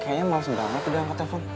kayaknya malas banget udah angkat telepon